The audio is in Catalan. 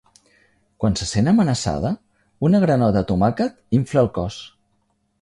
Quan se sent amenaçada, una granota tomàquet infla el cos.